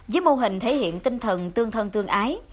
với mô hình thể hiện tinh thần tương thân tương ái